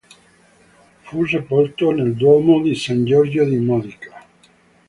Fu sepolto nel Duomo di San Giorgio di Modica.